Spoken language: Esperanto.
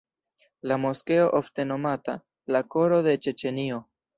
La moskeo ofte nomata "la koro de Ĉeĉenio".